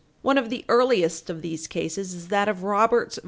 One of the earliest of these cases is that of Roberts v.